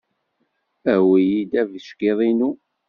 Awi-iyi-d abeckiḍ-inu.